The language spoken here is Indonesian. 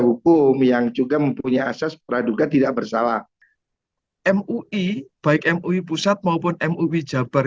hukum yang juga mempunyai asas peraduga tidak bersalah mui baik mui pusat maupun mui jabar